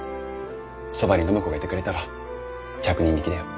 そばに暢子がいてくれたら百人力だよ。